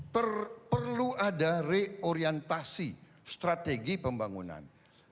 terperlu ada reorientasi strategi pembangunan